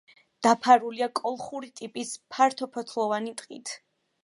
დაფარულია კოლხური ტიპის ფართოფოთლოვანი ტყით.